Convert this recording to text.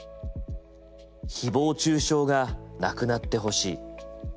「誹謗中傷がなくなってほしい。